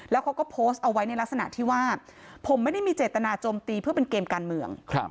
แล้วเขาก็โพสต์เอาไว้ในลักษณะที่ว่าผมไม่ได้มีเจตนาโจมตีเพื่อเป็นเกมการเมือง